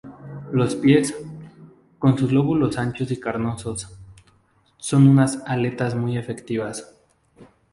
Los pies, con sus lóbulos anchos y carnosos, son unas "aletas" muy efectivas.